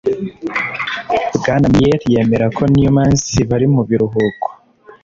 Bwana Meier yemera ko Neumanns bari mu biruhuko